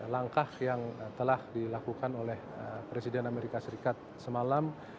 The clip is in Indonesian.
langkah yang telah dilakukan oleh presiden amerika serikat semalam